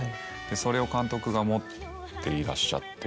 それを監督が持っていらっしゃって。